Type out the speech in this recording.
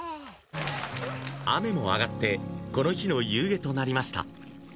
雨も上がってこの日の夕げとなりました